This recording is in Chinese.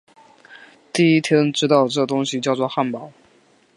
第一天知道这东西叫作汉堡